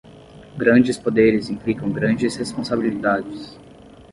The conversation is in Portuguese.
Grandes poderes implicam grandes responsabilidades.